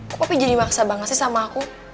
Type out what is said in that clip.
kok papi jadi maksa banget sih sama aku